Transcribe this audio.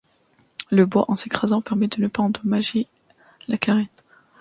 Le bois en s'écrasant permet de ne pas endommager la carène.